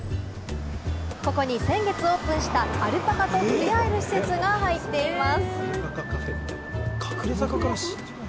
ここに先月オープンしたアルパカとふれあえる施設が入っています。